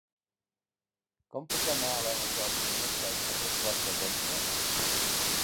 Com puc anar a la Vajol dimecres a tres quarts de dotze?